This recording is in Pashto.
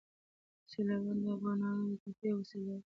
سیلابونه د افغانانو د تفریح یوه وسیله ده.